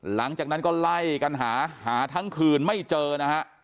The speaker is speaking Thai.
หลังจากนั้นก็ไล่กันหาหาทั้งคืนไม่เจอนะฮะ